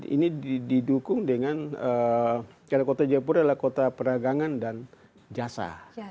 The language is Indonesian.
ini didukung dengan karena kota jayapura adalah kota perdagangan dan jasa